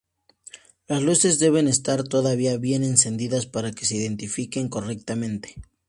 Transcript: Las luces deben estar todavía bien encendidas para que se identifiquen correctamente.